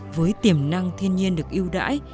với tiềm năng thiên nhiên được yêu đãi